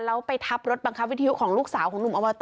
แล้วไปทับรถบังคับวิทยุของลูกสาวของหนุ่มอบต